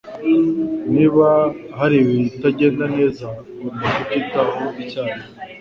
Niba hari ibitagenda neza, ugomba kubyitaho icyarimwe.